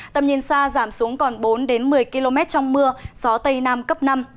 tầm nhìn xa giảm xuống còn bốn đến một mươi km trong mưa gió tây nam cấp năm